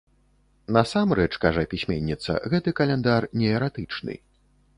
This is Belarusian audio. Насамрэч, кажа пісьменніца, гэты каляндар неэратычны.